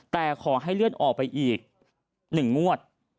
แต่ขอให้เลื่อนออกไปอีก๑งวด